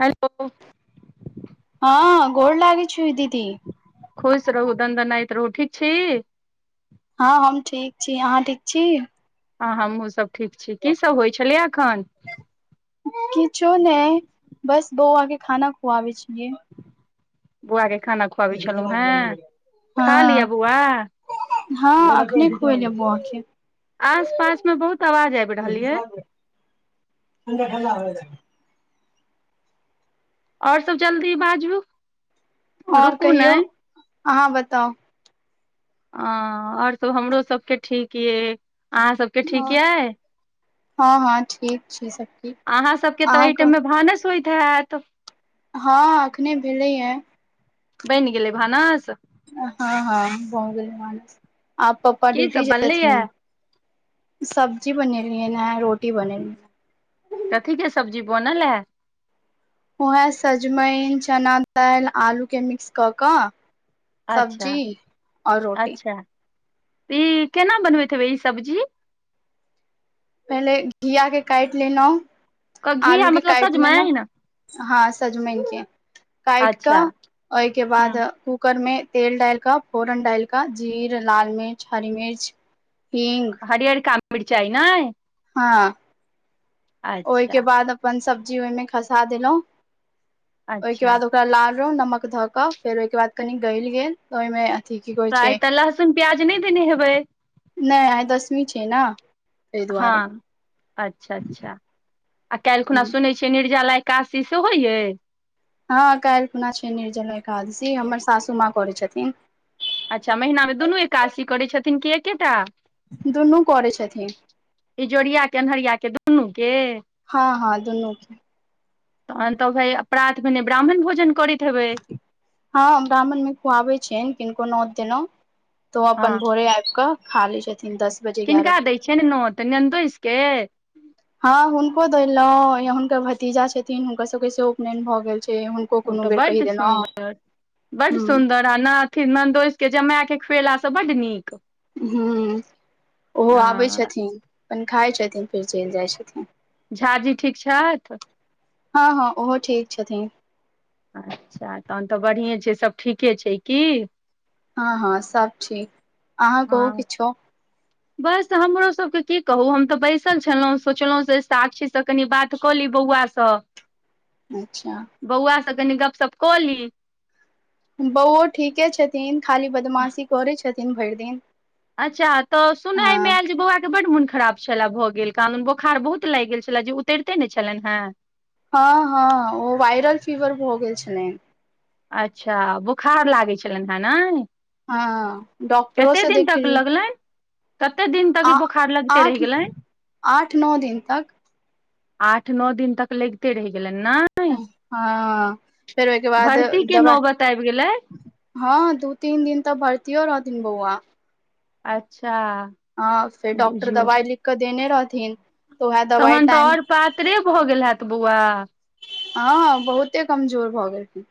hello हँ गोर लागै छियौ दीदी खुश रहू दन्दनायत रहू ठीक छी हँ हम ठीक छी अहाँ ठीक छी हँ हमहुं सभ ठीक छी की सभ होइ छलिया एखन किछो ने बस बउआ के खाना खुआबै छियै बौआ के खाना खुआबै छलौं हे खा लिअ हँ बौआ हँ अखने खुएलिया बौआ के आस पास मे बहुत आवाज आईब रहल यै नहिरा मे रहै आओर सब जल्दी बाजू आओर रुकू कहियौ नहि अहाँ बताउ ह आओर सब हमरो सबके ठीक यै अहाँ सबके ठीक आओर यै हँ हँ ठीक छै सब ठीक अहाँ सबके तऽ अहाँ अय कहु टाइम मे भानस होइत हेऽत हँ अखने भेलैया बैनि गेलै भानस हँ हँ भऽ गेलै भानस आप पप्पा की सब ड्यूटी बनलैये जेथिन सब्जी बनेलियनि हे रोटी बनेलीयै कथी के सब्जी बनल हे उएह सजमनि चना दालि आलूके मिक्स कऽ कऽ अच्छा सब्जी आओर रोटी इ केना बनबति हेबै इ सब्जी पहिले घिया के कटि लेलौ क घिया आलू के मतलब कटि लेलौ सजमनि हं सजमनि के काइट अच्छा कऽ ओय के बाद हँ कु कर मे तेल डाइल क फोरन डलिक जीर लाल मिर्च हरी मिर्च हींग हरियरका मिर्चीय नय हं ओय के अच्छा बाद अपन सब्जी ओह मे खसा देलौं ओय के अच्छा बाद ओकरा लारलौं नमक धऽ कऽ फेर ओय के बाद कनि गलि गेल ओय मे आय त लहसुन प्याज नय देने हेबै नय आय दसमी छै न तै दुआरे हँ अच्छा अच्छा आ कल्हि खुना सुनै छियै निर्जाला एकादशी सेहो अय हं कल्हि खुना छै निर्जला एकादशी हमर सासु माँ करै छथिन अच्छा महिना मे दुनू एकादशी करै छथिन कि एकेटा दुनू करै छथिन इजोरिया के अन्हरिया के दुनू के हं हं दुनू के तहन तऽ भय प्रात भेने ब्राह्मण भोजन करति हेबै हं हम ब्राह्मण मे खुआबेै छियनि किनको नोत देलौ तऽ ओ हँ अपन भोरे आइब कऽ खा लै छथिन दस बजे एगारह किनका बजे दै तक छियनि नोत नंदोइस के हं हुनको देलौं या हुनकर भतीजा छथिन हुनका सब के सेहो उपननि भऽ गेल छै ओ कोनो तऽ बेर बड कहि देलहुँ सुन्दर ह बड सुन्दर नाथिन नन्दोस के जमाय के खुएलासँ बड्ड नीक हुँ ओहो आबै हँ छथिन अपन खाय छथिन फेर चलि जाय छथिन झा जी ठीक छथि हं हं ओहो ठीक छथिन अच्छा तहन तऽ बढ़िएं छै सब ठीके छै की हं हं सब ठीक आहाँ कहू हँ किछो बस हमरो सबके की कहू हम तऽ बसिल छेलौ सोचलौ से साक्षी से कनी बात कली बौआ स अच्छा बौआ से कनी गपशप कऽ ली बौओ ठीके छथिन खाली बदमाशी करै छथिन भरि दिन अच्छा तऽ सुनै मे हँ एल जे बौआ के बड मुन खराब छला भऽ गेल कहादुन बोखार बहुत लाइग गेल छले जे उतरिते ने छेलनि हें हं हं ओ वायरल फीवर भऽ गेल छेलनि अच्छा बोखार लागै छेलनि हेँ नय हं हं डॉक्टरो से तक देखेल लगलनि कते दिन तक ई आ बोखार लगिते रहि आठ गेलनि आठ न दिन तक आठ न दिन तक लगिते रहि गेलनि नय हं फेर ओय के बाद भर्ती के नौबत आबि गेलै दबाई हं दू तीन दिन तऽ भरतियो रहथीन बौआ अच्छा हं से डॉक्टर बुझियौ दवाइ लिख के देने रहथिन तऽ उहे दवाइ तहन तऽ टाइम आओर पातरे भऽ गेल हेऽत बौआ हं बहुते कमजोर भऽ गेलखिन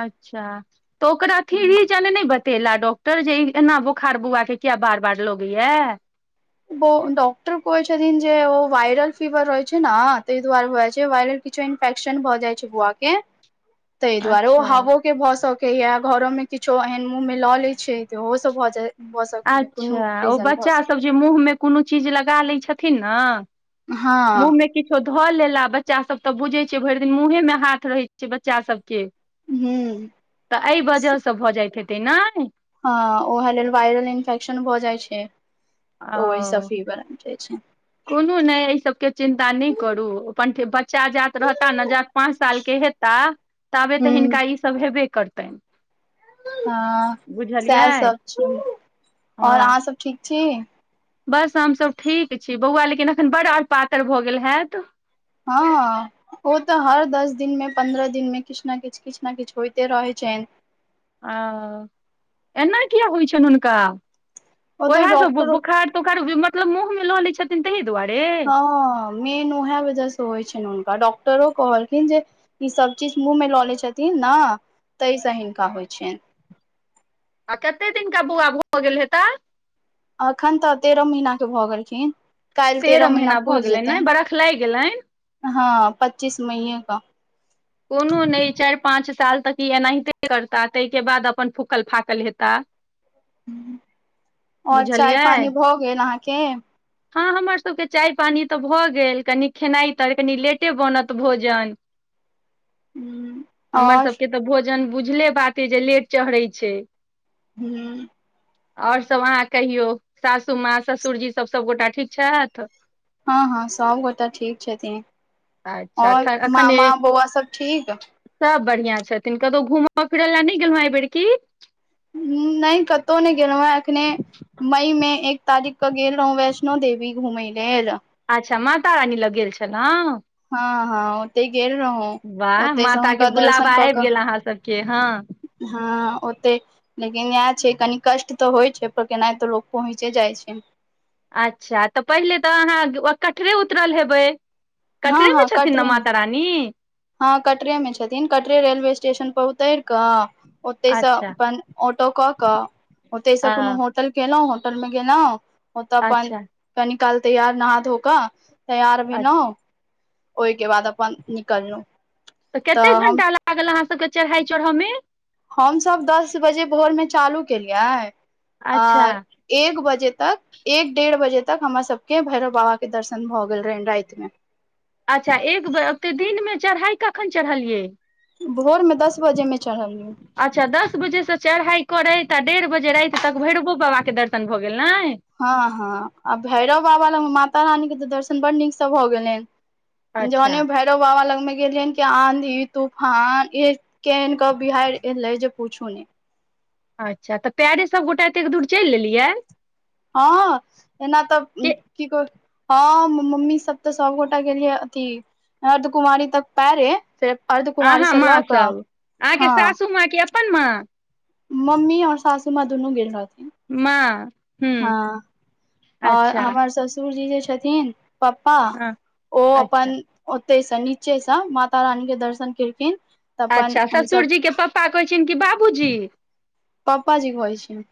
अच्छा तऽ ओकरा थीहिज [unintelligible] ने बतेला डॉक्टर जे एना बोखार बौआ के किया बार बार लगैया बौ डॉक्टर कहै छथिन जे ओ वायरल फीवर रहै छै न तय दुआरे भ जाय छै किछो इन्फेक्शन भऽ जाय छै बुआ के चू तै दुआरे ओ हवो के भऽ सकैया घरो मे किछो एहन मुंह मे लऽ लै छै जे ओहो सऽ भऽ जाय भऽ सकैया कोनो अच्छा ओ रीजन भऽ बच्चा सकैया सब जे मुंह मे कोनो चीज लगा लै छथिन न हँ मुंह मे किछ धऽ लेला बच्चा सब तऽ बुझै छियै भरि दिन मुंहे मे हाथ रहै छै बच्चा सब के हूँ तऽ अय वजहसँ भऽ जाइत हेतै नाय हँ ओहे लेल वायरल इन्फेक्शन भऽ जाइ छै तऽ ओहिसँ ओ फीवर आइब जाइ छै कोनो नय अई सबके चिन्ता नय करू अपन बच्चा जात रहता ने जात पाँच साल के हेता ताबे तऽ हूँ हिनका ईसभ हेबे करतनि हँ बुझलियै सैह सब छै और हँ अहाँ सभ ठीक छी बस हम सभ ठीक छी बौआ लेकिन एखन बड़ और पातर भऽ गेल हैत हऽ ओ तऽ हर दस दिन में पन्द्रह दिन में किछ न किछ किछ न किछ होइतै रहै छैन अ [inaudible] एना किया होइ छैन हुनका ओतऽ ओहै सब डॉक्टर बोखार तोखार मतलब मुँह में लऽ लै छथिन तहि दुआरे हँ मेन उहै वजह से होय छैन हुनका डॉक्टरो कहलखिन जे ई सब चीज मुँह में लऽ ले छथिन न तैय स हिनका होइ छैन आ कते दिनका बौआ भऽ गेल हेता एखन तऽ तेरह महीना कऽ भऽ गेलखिन काइल तेरह महिना महीना पुर भऽ गेलनि ने जेतैन बरख लागि गेलनि [inaudible] हँ पच्चीस मईए कऽ कोनो नै चाइ पाँच साल तक ई एनाहिते करता तैय केँ बाद अपन फूकल फाकल हेता [inaudible] [inaudible] और चाय बुझलियै पानी भऽ गेल अहाँकेँ हँ हमर सब केँ चाय पानी तऽ भऽ गेल कनि खेनाइ तऽ कनि लेटे बनत भोजन [unintelligible] हमर सब केँ तऽ भोजन बुझले बात यऽ जे लेट चढ़ै छै हूँ ओर सब अहाँ कहियो सासू माँ ससुरजी सब सबगोटा ठीक छैथ हँ हँ सभ गोटाे ठीक छथिन [inaudible] अच्छा और एखन मामा बौआ सब ठीक सब बढ़ियां छथिन कतौ घूम फिर लऽ नै गेलौ हँ आए बेेर की नकतहु नहि गेलहुँ हेँ एखने मई में एक तारीख कऽ गेल रहौ वैष्णो देवी घुमै लेल अच्छा माता रानी लग गेल छलौ हँ हँ ओते गेल रहू वाह माता केँ बुलाबा आइब गेल अहाँ सब केँ हँ हँ ओते लेकिन इहै छ कनी कष्ट तऽ होइ छै पर केनाइतो लोक पहुँचे जाइ छै अच्छा तऽ पहिले तऽ अहाँ कटरे उतरल हेबै हँ कटरे में हँ छथिन न कटरे मे माता रानी [unintelligible] हँ कटरे मे छथिन कटरे रेलवे स्टेशन पर उतैर कऽ ओते से अच्छा अपन ऑटो कऽ ओते से आ कोनो हो होटल केलौ होटल में गेलौ ओत अपन अच्छा कनि काल तैयार नहा धो कऽ तैयार भेलौ अच्छा [inaudible] ओइकेँ बाद अपन निकललु तऽ कते घंटा लागल अहाँ सब केँ चढ़ाइ चढ़य में हम सभ दस बजे भोर में चालू केलियै [inaudible] अच्छा आर एक बजे तक एक डेढ़ बजे तक हमर सब केँ भैरव बाबा कऽ दर्शन भए गेल रहे राइत में अच्छा एक बेर ओते दिन में चढ़ाइ कखन चढ़लियै भोर में दस बजे में चढ़लियै अच्छा दस बजे से चढ़ाइ करैत आ डेढ़ बजे राइत तक भैरवो बाबा कऽ दर्शन भऽ गेल नै हँ हँ आ भैरव बाबा लग माता रानी कऽ तऽ दर्शन बड नीक से भऽ गेलैन जान अच्छा भैरव बाबा लगमे गेलिय कि आंधी तूफान ऐत केन कऽ बिहाइर एले जे पूछू नै अच्छा तऽ पैरे सभ गोटा एतेक दूर चैल लेलियै हँ एना तऽ कि की कह हम मम्मी सब तऽ सबगोटा गेलियै अथी अर्धकुमारी तक पैरे फेर अर्धकुमारी अहाँ से लऽ माँ कऽ सब अहाँके हँ सासू माँके अपन माँ मम्मी आओर सासूमाँ दुनू गेल रहथिन माँ हँ हूँ आओर अच्छा हमर ससुरजी जे छथिन पपा हँ ओ अच्छा अपन ओते से नीचे से माता रानी के दर्शन केलखिन तऽ अपन अच्छा हमसभ ससुरजीके पपा कहै छीयैन कि बाबूजी पपा जी कहै छीयैन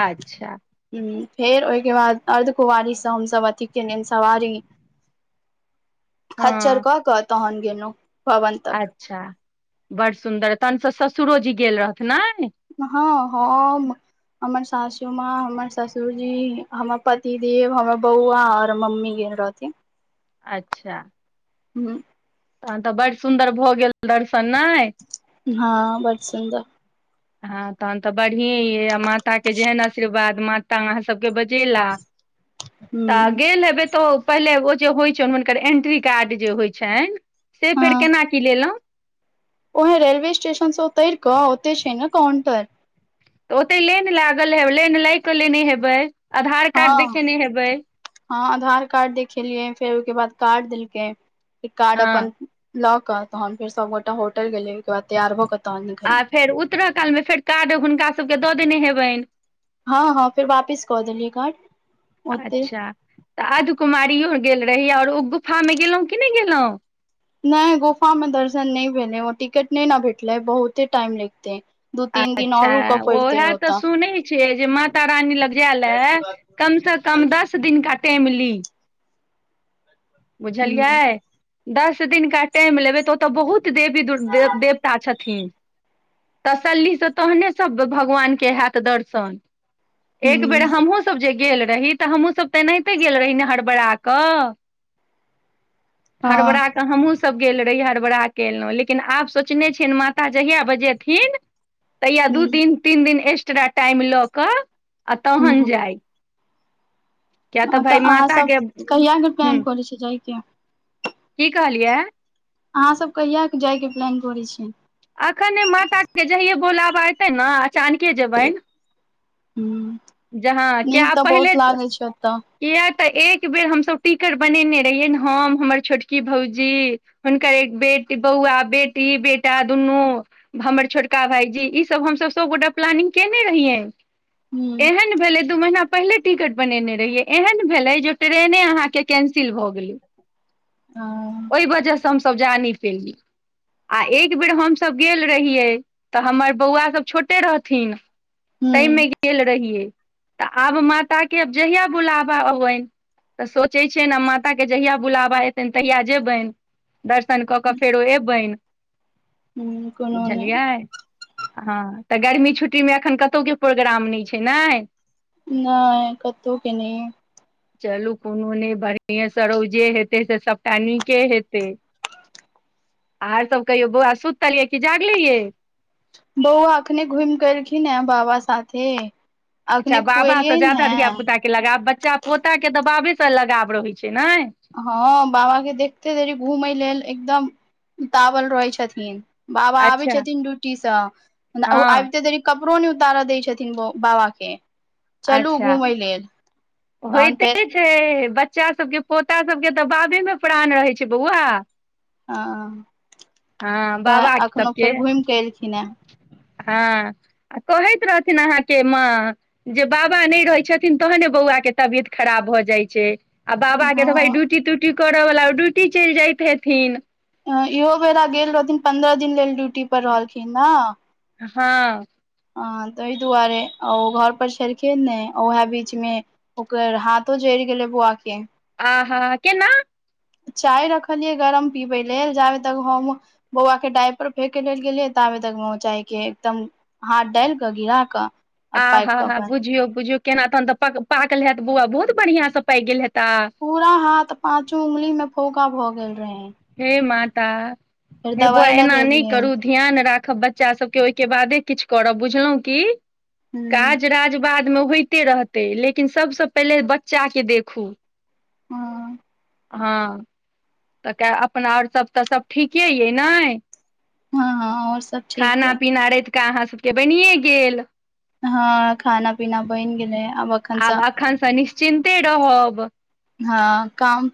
अच्छा हूँ फेर ओईके बाद अर्धकुवारीसँ हमसब अथि केनेनि सवारी [inaudible] खच्चर हँ कऽ कऽ तहन गेनौ भवन तक अच्छा बड़ सुन्दर तहनसँ ससुरो जी गेल रहथि नाय हँ हम हमर सासू माँ हमर ससुरजी हमर पतिदव हमर बौआ आओर मम्मी गेएन रहथीन अच्छा हूँ तहन तऽ बड्ड सुंन्दर भऽ गेल दर्शन नाय हँ बड़ सुन्दर हँं तहन तऽ बढ़िए अइ आ माताके जेहन आशीर्वाद माता तऽ अहाँ सबके बजेला तऽ ह गेल हेबे तोऽ पहिले ओ जे होइ छनि हुनकर एन्ट्री कार्ड जे होइ छनि से फेर हँ केना की लेलौ ओहे रेलवे स्टेशन से उतैर कऽ ओते छै ने काउंटर तऽ ओते लेन लागल हेबै लेन लाएग क लेने हेबै आधार हँ कार्ड देखेने हेबै हँ आधार कार्ड देखेलियै फेर ओईके बाद कार्ड देलकै कार्ड हँ अपन लऽ कऽ तहन फेर सबगोटा होटल गेलियै ओईके बाद तैयार भ कऽ तहन [unintelligible] आ फेर उत्तर काल मे फेर कार्ड हुनका सबके दऽ देने हेबनि हँ हँ फेर वापिस कऽ देलियै काड ओतै अच्छा तऽ अध कुमारियो गेल रहि आ ओ गुफा मे गेलौ की नै गेलौं नै गोफा मे दर्शन नै भेले ओ टिकट नै न भेटलै बहुते टाइम लैगतै दू तीन दिन आओर रुकऽ पैड़तेैन ओतऽ छीयै जे माता रानी लग जाए लए कम से कम दस दिनका टैम ली हूँ बुझलियै दस दिनका टाइम लेबै तऽ ओतऽ बहुत [unintelligible] देवी दु दे देवता छथीन तसल्ली स तहने सब भगवान के होयत दर्शन एक बेर हूँ हमहुँ स सब जे गेल रही तऽ हमहूँ सब त एनाहिते गेल रही ने हरबड़ा कऽ हँ हरबराक तऽ हमहूँसब गेल रही हड़बड़ाक कलौं लेकिन आब सोचने छियनि माता जहिया बजेथिन तहिया दू हूँ दिन तीन दिन एस्ट्रा टाइम लऽ कऽ आ तहन हूँ जाय किया तऽ हँ भाय अहाँ माता के सब कहिया के हूँ प्लान करै छी जायके की कहलियै अहाँ सब कहिया क जाय के प्लान करै छियै अखनै माता के जहिये बोलाबाऽ एतै न अचानके जेबनि हू [unintelligible] किया तऽ एक बेर हम सभ टिकर बनेने रहियै हम हमर छोटकी भौजी हुनकर एक बेट बौआ बेटी बेटा दुनू हमर छोटका भाईजी ईसभ हम सभ सभ गोटा प्लानिंग कैने रहियै हूँ एहन भेलै दू महीना पहिले टिकट बनेने रहियै एहन भेलै जे ट्रेने अहाँकेँ कैंसिल भऽ गेलै [unintelligible] ओइ वजह से हम सभ जा नै पेलिए आ एक बेर हम सभ गेल रहियै तऽ हमर बौआ सभ छोटे रहथिन तैयमें गेल रहियै तऽ आब माता केँ आब जहिया बुलाबा आबैन तऽ सोचे छियै न माता केँ जहिया बुलावा एतै तहिया जेबनि [inaudible] दर्शन कऽ कऽ फेरो ऐबैन हूँ कोनो नहि बुझलियै हऽ तऽ गर्मी छुट्टी में एखन कतौ केँ प्रोग्राम नै छै नै नै कतौ कऽ नै चलू कोनो नै बढ़िए स रहूँ जे हेतै से सब टा नीके हेतै [inaudible] आर सब कहियो बौआ सुतलियै कि जागलेै यऽ बौआ अखने घुम कऽ ऐलखी हन बाबा साथे अच्छ अखने बाबा स खुएलियैन ज्यादा हे धिय पुताे लगाब बच्चा पोता केँ तऽ बाबे स लगाब रहै छै नै हँ बाबा केँ देखते देैरी घूमै लेल एकदम [inaudible] उतावल रहै छथिन बाबा आबे अच्छा छथिन ड्यूटी स [inaudible] हँ आबिते देरी कपड़ो नै उतार दै छथिन ब बाबा केँ [inaudible] चलू अच्छा घुमै लेल तहन फेर होइते छै बच्चा सभ केँ पोता सभ केँ तऽ बाबे में प्राण रहैत छै बौआ हँ हऽ बाबा [inaudible] अखनो सबके फेर घुम केऽ एलखिन हे [unintelligible] आ कहैत रहथिन अहाँकेँ माँ जे बाबा नै रहैत छथिन तहने बौआ केँ तबियत खराब भऽ जाइ छै आ बाबा केँ तऽ भइ डूटी टूटी ड्यूटी कर वला ओ ड्यूटी चैल जाइत हेथिन इहो बेरा गेल रहथिन पन्द्रह दिन लेल ड्यूटी पर रहलखिन न हँ ह तैय दुआरे ओ घर पर छलखिन नै उहै बीच में ओकर हथो जैर गेलै बौआ केँ आ हाँ केना चाय रखलियै गरम पीबै लेल जाब तक हम बौआ केँ डइपर फेेकके लेल गेलै ताबे तक फेकेँ लेल एकदम हाथ डाइल कऽ गिरा कऽ आ पाकि कऽ आहाहा अपन बुझियौ बुझियौ केना तहन तऽ प पाकल हेत बौआ बहुत बढ़ियां से पाइक गेल हेता पूरा हाथ पांचों उंगली में फौका भए गेल रहे हे माता फेर हे बौआ दवाइ एना नै लगेलियै करू ध्यान राखब बच्चा सब केँ ओइ केँ बादे किछ करब बुझलौ की ह काज राज बाद म होइते रहतै लेकिन सब स पहिले बच्चा कऽ देखू हँ हँ तऽ कै अपना और सभ तऽ सभ ठीके अइ नै हँ हँ और सब [inaudible] ठीक य खाना पीना रैतका अहाँ सब केँ बैनिय गेल हँ खाना पीना बैन गेलै आब अखन स खन सनि चिन्ते रहब हँ काम